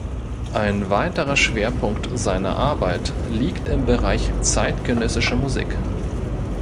Ein weiterer Schwerpunkt seiner Arbeit liegt im Bereich zeitgenössischer Musik.